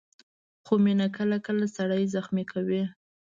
خو مینه کله کله سړی زخمي کوي.